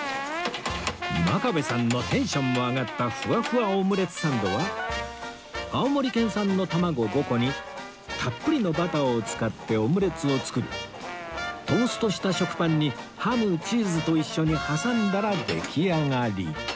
真壁さんのテンションも上がったふわふわオムレツサンドは青森県産の卵５個にたっぷりのバターを使ってオムレツを作りトーストした食パンにハムチーズと一緒に挟んだら出来上がり